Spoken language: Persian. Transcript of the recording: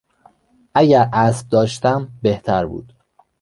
اگر اسب داشتم بهتر بود.